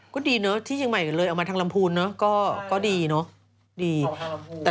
ก็ดีเนอะที่เชียงใหม่เลยออกมาทางลำพูนเนอะก็ดีเนอะดี